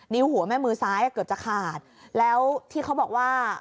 หัวแม่มือซ้ายเกือบจะขาดแล้วที่เขาบอกว่า